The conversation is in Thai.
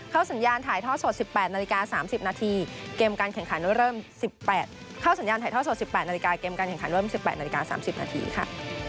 เข้าสัญญาณถ่ายท่อสด๑๘นาฬิกา๓๐นาทีเกมการแข่งขันเริ่ม๑๘นาฬิกา๓๐นาทีค่ะ